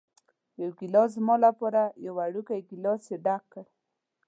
یو ګېلاس زما لپاره، یو وړوکی ګېلاس یې ډک کړ.